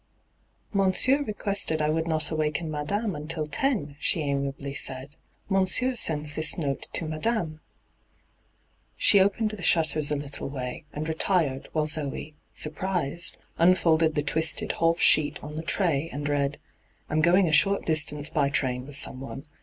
' Monsieur requested I would not awaken madame until ten,' she amiably said. ' Monsieur sends this note to madame.' She opened the shutters a little way and retired, while Zoe, surprised, unfolded the twisted half sheet on the tray, and read :' Am going a short distance by train with someone.